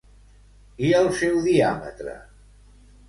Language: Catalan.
I el seu diàmetre?